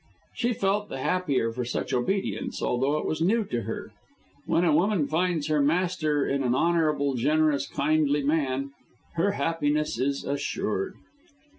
She felt the happier for such obedience, although it was new to her. When a woman finds her master in an honourable, generous, kindly man, her happiness is assured.